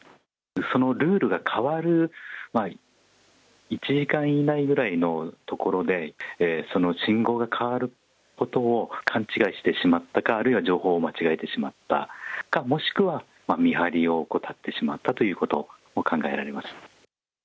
そのルールが変わる１時間以内ぐらいの所で、その信号が変わることを勘違いしてしまったか、あるいは情報を間違えってしまったか、もしくは、見張りを怠ってしまったということも考えられます。